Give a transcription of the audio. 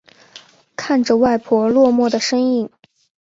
看着外婆落寞的身影